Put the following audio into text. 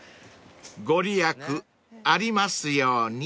［御利益ありますように］